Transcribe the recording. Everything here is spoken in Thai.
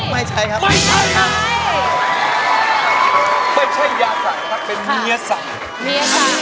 ไม่ใช้อย่าสาวครับเป็นเมียทราบ